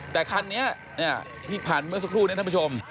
แต่คันนี้ที่ผ่านเมื่อสักครู่นี้ท่านผู้ชม